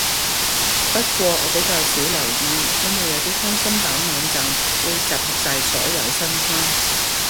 不過我比較少留意，因為有啲開心版網站會集合晒所有新番